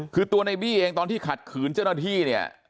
คือตัวในบี้เองตอนที่ขัดขืนเจ้าหน้าที่เนี่ย